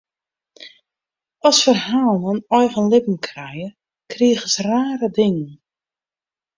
As ferhalen in eigen libben krije, krigest rare dingen.